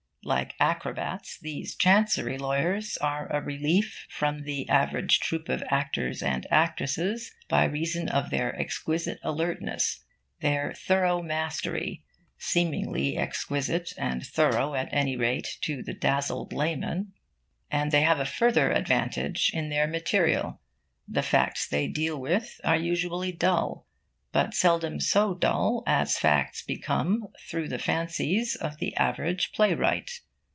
Like acrobats, these Chancery lawyers are a relief from the average troupe of actors and actresses, by reason of their exquisite alertness, their thorough mastery (seemingly exquisite and thorough, at any rate, to the dazzled layman). And they have a further advantage in their material. The facts they deal with are usually dull, but seldom so dull as facts become through the fancies of the average playwright.